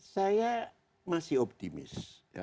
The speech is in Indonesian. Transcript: saya masih optimis